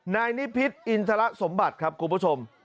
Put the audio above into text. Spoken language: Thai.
นายนิพิษอินทรสมบัติครับคุณผู้ชม